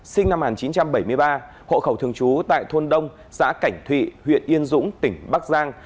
sinh năm một nghìn chín trăm bảy mươi ba hộ khẩu thường trú tại thôn đông xã cảnh thụy huyện yên dũng tỉnh bắc giang